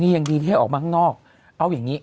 ยังดีที่ให้ออกมาข้างนอกเอาอย่างนี้